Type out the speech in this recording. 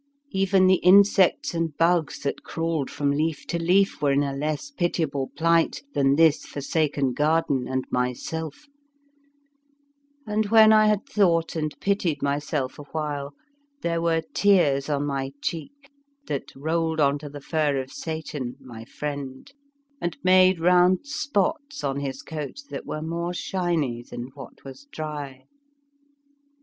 Even 56 The Fearsome Island the insects and bugs that crawled from leaf to leaf were in a less pitiable plight than this forsaken garden and myself, and, when I had thought and pitied myself awhile, there were tears on my cheek that rolled onto the fur of Satan, my friend, and made round spots on his coat that were more shiny than what was dry.